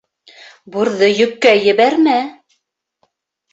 Бурҙы йөккә ебәрмә.